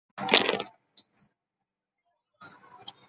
এমনকি লন্ডনের টেমস নদীর দশাও ফিরিয়ে আনতে বিশেষ বেগ পেতে হয়নি ব্রিটেনকে।